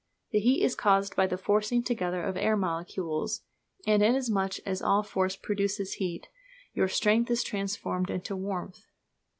The heat is caused by the forcing together of air molecules, and inasmuch as all force produces heat, your strength is transformed into warmth.